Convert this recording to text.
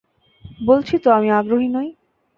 বলছি তো, আমি আগ্রহী নই।